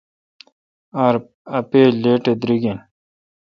اں پے° لیٹ اے° دریگ این۔